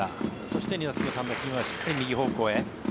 そして２打席目、３打席目はしっかり右方向へ。